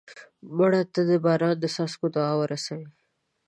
مړه ته د باران د څاڅکو دعا ورسوې